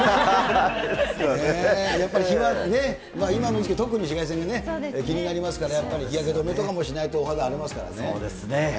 やっぱり日がね、今の時期、特に紫外線が気になりますからね、やっぱり日焼け止めとかもしないそうですね。